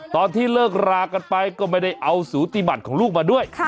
ตอนที่เลิกรากันไปก็ไม่ได้เอาสูติบัติของลูกมาด้วย